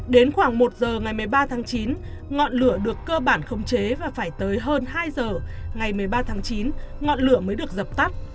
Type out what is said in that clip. đến khoảng một giờ ngày một mươi ba tháng chín ngọn lửa được cơ bản không chế và phải tới hơn hai giờ ngày một mươi ba tháng chín ngọn lửa mới được dập tắt